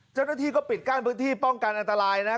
เจ้าหน้าที่ก็ปิดกั้นพื้นที่ป้องกันอันตรายนะ